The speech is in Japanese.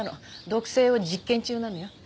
毒性を実験中なのよ。